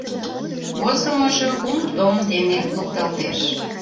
ВОЗЫМЫЖО КУМ ТОМ ДЕНЕ ЛУКТАЛТЕШ